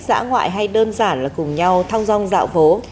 dã ngoại hay đơn giản là cùng nhau thong rong dạo vố